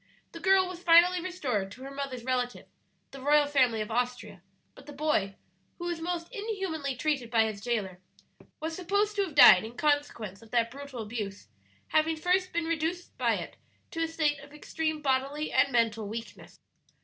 The girl was finally restored to her mother's relatives, the royal family of Austria; but the boy, who was most inhumanly treated by his jailer, was supposed to have died in consequence of that brutal abuse, having first been reduced by it to a state of extreme bodily and mental weakness.